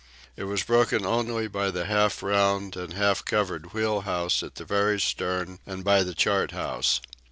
It was broken only by the half round and half covered wheel house at the very stern and by the chart house.